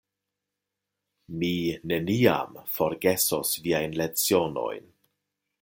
Mi neniam forgesos viajn lecionojn.